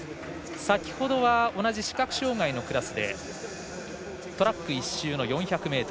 先ほど同じ視覚障がいのクラスでトラック１周の４００ｍ。